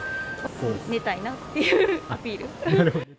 寝たいなっていうアピール。